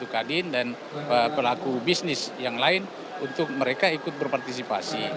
kadin dan pelaku bisnis yang lain untuk mereka ikut berpartisipasi